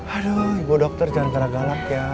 aduh ibu dokter jangan kena galak ya